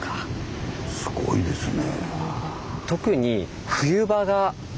すごいですね。